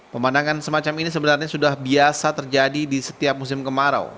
pemandangan semacam ini sebenarnya sudah biasa terjadi di setiap musim kemarau